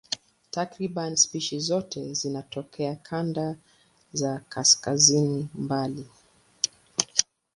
Takriban spishi zote zinatokea kanda za kaskazini mbali.